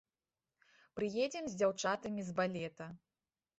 Прыедзем з дзяўчатамі з балета.